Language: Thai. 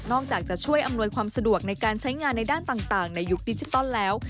อกจากจะช่วยอำนวยความสะดวกในการใช้งานในด้านต่างในยุคดิจิตอลแล้ว